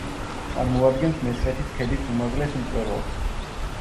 წარმოადგენს მესხეთის ქედის უმაღლეს მწვერვალს.